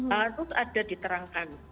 harus ada diterangkan